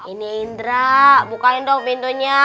ini indra bukain dong pintunya